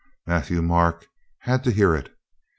Matthieu Marc had to hear it.